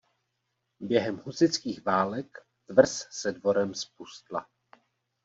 Během husitských válek tvrz se dvorem zpustla.